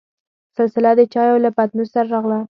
سلسله دچايو له پتنوس سره راغله.